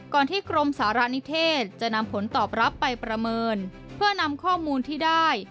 กรมที่กรมสารณิเทศจะนำผลตอบรับไปประเมินเพื่อนำข้อมูลที่ได้